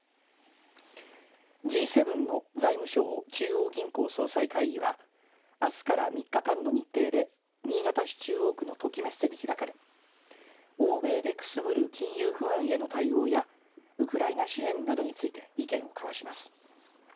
Ｇ７の財務相・中央銀行総裁会議はあすから３日間の日程で新潟市中央区の朱鷺メッセで開かれ欧米でくすぶる金融不安への対応やウクライナ支援などについて意見を交わします。